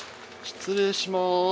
失礼します。